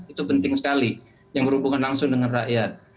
itu penting sekali yang berhubungan langsung dengan rakyat